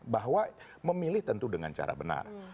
bahwa memilih tentu dengan cara benar